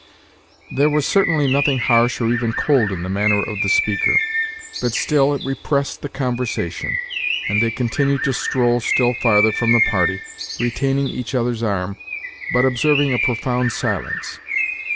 There was certainly nothing harsh or even cold in the manner of the speaker, but still it repressed the conversation, and they continued to stroll still farther from the party, retaining each other's arm, but observing a profound silence.